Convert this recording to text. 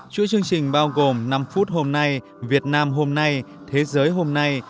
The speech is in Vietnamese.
chuỗi chương trình bao gồm năm phút hôm nay việt nam hôm nay thế giới hôm nay